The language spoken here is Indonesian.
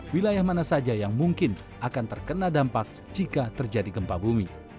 wilayah mana saja yang mungkin akan terkena dampak jika terjadi gempa bumi